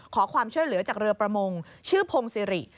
ขอความช่วยเหลือจากเรือประมงชื่อพงศิริ